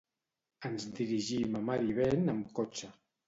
Ens dirigim a Marivent amb cotxe.